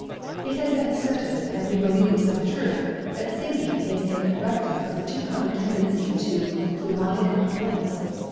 It has been asserted, and we believe with some truth, that singing is a corrective of the too common tendency to pulmonic complaints.